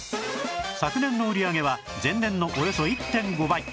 昨年の売り上げは前年のおよそ １．５ 倍